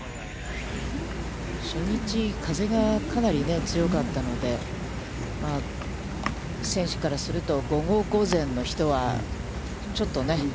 初日、風がかなり強かったので、選手からすると、午後、午前の人は、ちょっとね。